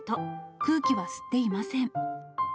空気は吸っていません。